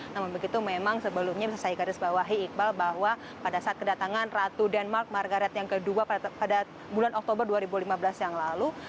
namun begitu memang sebelumnya bisa saya garis bawahi iqbal bahwa pada saat kedatangan ratu denmark margaret yang kedua pada bulan oktober dua ribu lima belas yang lalu